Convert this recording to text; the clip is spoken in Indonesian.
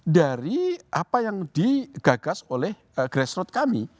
dari apa yang digagas oleh grassroots kami